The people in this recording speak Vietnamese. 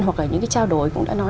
hoặc là những cái trao đổi cũng đã nói